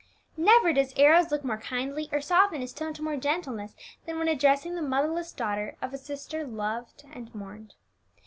Never does Arrows look more kindly or soften his tone to more gentleness than when addressing the motherless daughter of a sister loved and mourned.